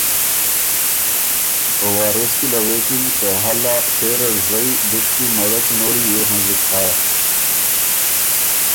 او وارث کی له غوېکِن که هلا سېره ر زئ دُشکی مړک نوړی يې هنزُک هۀ۔